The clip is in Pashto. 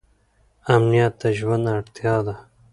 امنیت د ژوند اړتیا ده